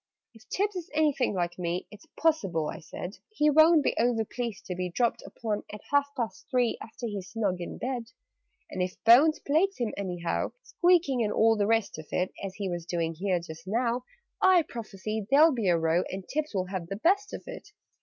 "If Tibbs is anything like me, It's possible," I said, "He won't be over pleased to be Dropped in upon at half past three, After he's snug in bed. "And if Bones plagues him anyhow Squeaking and all the rest of it, As he was doing here just now I prophesy there'll be a row, And Tibbs will have the best of it!"